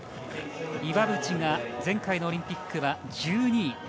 岩渕が前回のオリンピックは１２位。